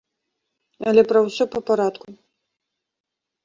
Але пра ўсё па-парадку.